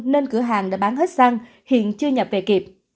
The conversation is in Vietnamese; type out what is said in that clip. nên cửa hàng đã bán hết xăng hiện chưa nhập về kịp